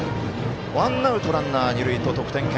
ワンアウト、ランナー、二塁と得点圏。